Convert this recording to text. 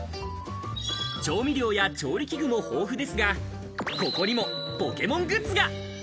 調味料や調理器具も豊富ですが、ここにもポケモングッズが。